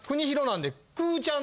くぅちゃん。